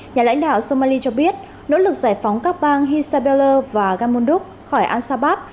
nhà lãnh đạo somali cho biết nỗ lực giải phóng các bang hisabella và gamunduk khỏi ansabab